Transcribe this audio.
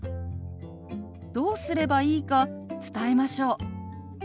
どうすればいいか伝えましょう。